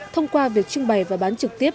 thông qua việc trưng bày và bán trực tiếp